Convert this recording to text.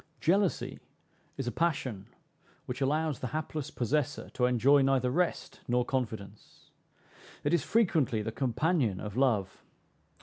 Jealousy is a passion which allows the hapless possessor to enjoy neither rest nor confidence. It is frequently the companion of love.